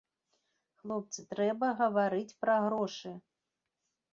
Хлопцы, трэба гаварыць пра грошы!